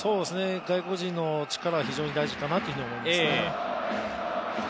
外国人の力が非常に大事かなと思いますね。